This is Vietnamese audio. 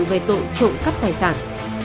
về tội trộm cấp tài sản